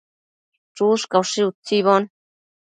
Chushcaushi utsibo